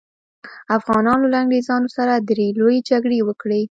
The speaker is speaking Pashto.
افغانانو له انګریزانو سره درې لويې جګړې وکړې.